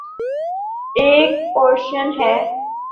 ایک پوزیشن ہے۔